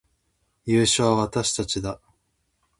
優勝は私たちだ